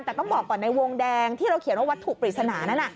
แต่ต้องบอกก่อนในวงแดงที่เราเขียนว่าวัตถุปริศนานั้น